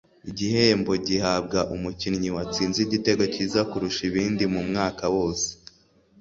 igihembo gihabwa umukinnyi watsinze igitego cyiza kurusha ibindi mu mwaka wose